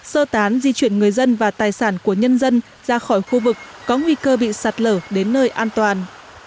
sơ tán di chuyển người dân và tài sản của nhân dân ra khỏi khu vực có nguy cơ bị sạt lở đến nơi an toàn